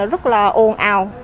rất là ồn ào